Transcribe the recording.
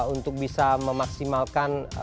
untuk bisa memaksimalkan